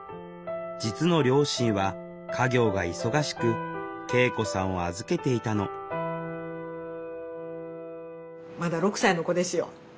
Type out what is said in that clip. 実の両親は家業が忙しく圭永子さんを預けていたのまだ６歳の子ですよ。